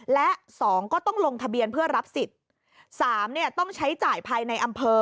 และสองก็ต้องลงทะเบียนเพื่อรับสิทธิ์สามเนี่ยต้องใช้จ่ายภายในอำเภอ